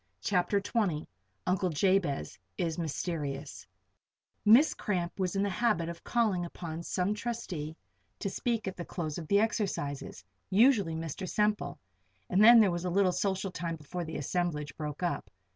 CHAPTER XX UNCLE JABEZ IS MYSTERIOUS Miss Cramp was in the habit of calling upon some trustee to speak at the close of the exercises usually Mr. Semple and then there was a little social time before the assemblage broke up.